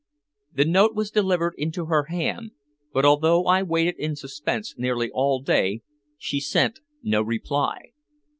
The note was delivered into her hand, but although I waited in suspense nearly all day she sent no reply.